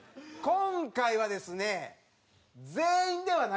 今回はですね。